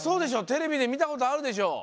テレビで見たことあるでしょ。